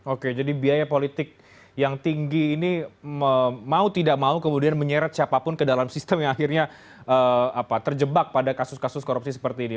oke jadi biaya politik yang tinggi ini mau tidak mau kemudian menyeret siapapun ke dalam sistem yang akhirnya terjebak pada kasus kasus korupsi seperti ini